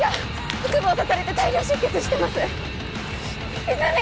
腹部を刺されて大量出血してます泉！